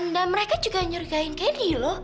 dan mereka juga nyuruhin candy loh